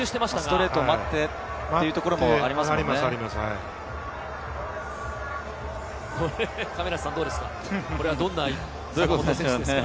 ストレートを待ってというところもあるんでしょうね。